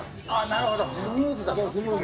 なるほど、スムーズだから。